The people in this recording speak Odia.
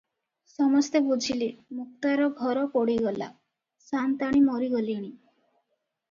ସମସ୍ତେ ବୁଝିଲେ, ମୁକ୍ତାର ଘର ପୋଡ଼ିଗଲା, ସାଆନ୍ତାଣୀ ମରିଗଲେଣି ।